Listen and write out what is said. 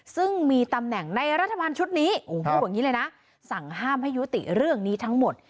ซึ่งมีตำแหน่งในรัฐบาลชุดนี้สั่งห้ามให้ยุติเรื่องนี้ทั้งหมด